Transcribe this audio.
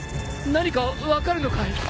何か分かるのかい？